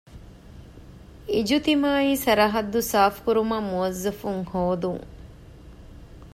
އިޖުތިމާޢީ ސަރަހައްދު ސާފުކުރުމަށް މުވައްޒަފުން ހޯދުން